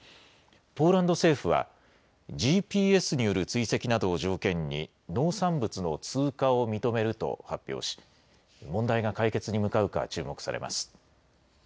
ポーランド政府はＧＰＳによる追跡などを条件に農産物の通過を認めると発表し問題が解決に向かうか注目されます。